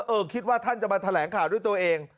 คิดว่าท่านจะมาแถลงข่าวด้วยตัวเอง